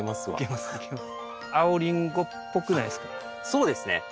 そうですね。